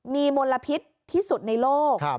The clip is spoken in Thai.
มีมลพิษที่สุดในโลก